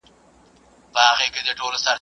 د بامیان کچالو خراب نه دي.